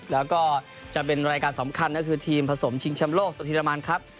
แล้วก็จะเป็นรายการสำคัญก็คือทีมผสมชิงชำโลกสทีเรมันครับ